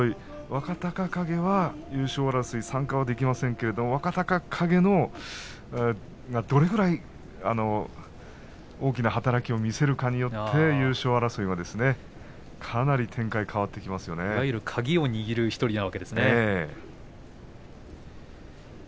若隆景が優勝争い参加はできませんけれど若隆景とどれぐらい大きな働きを見せるかによって優勝争いは鍵を握る１人なわけですね。